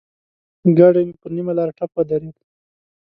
ګاډی مې پر نيمه لاره ټپ ودرېد.